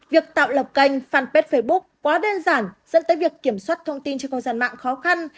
việc tạo lập kênh fanpage facebook quá đơn giản dẫn tới việc kiểm soát thông tin trên không gian mạng khó khăn